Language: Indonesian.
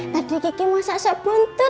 tadi kiki masak sebuntu